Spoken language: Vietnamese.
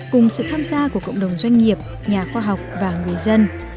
cùng sự tham gia của cộng đồng doanh nghiệp nhà khoa học và người dân